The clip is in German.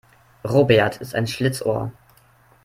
Robert ist ein Schlitzohr.